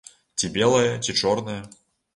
Ці белае, ці чорнае.